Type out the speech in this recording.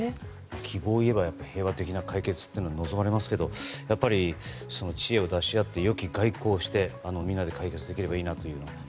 希望を言えば平和的な解決が望まれますがやっぱり知恵を出し合って良き外交をしてみんなで解決できればいいなという。